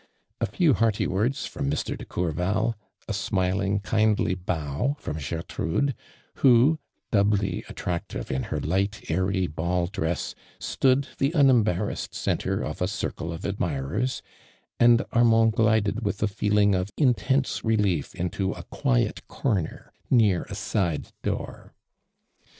A few hearty words from Mr. de Courval, a smiling, kindly bow from Gertrude, who, doubly attractive in ln i light, airy ball dress, stood, the unembar rassed: centre of a circle of admireis : ami Atmand glided with a feeling of intense relief into a quiet corner, near a side door.